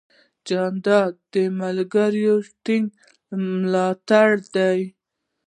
جانداد د ملګرو ټینګ ملاتړ دی.